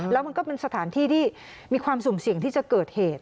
แล้วมันก็เป็นสถานที่ที่มีความสุ่มเสี่ยงที่จะเกิดเหตุ